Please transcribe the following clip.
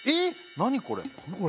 何これ？